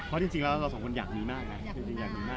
เพราะจริงแล้วเราสองคนอยากมีมากนะ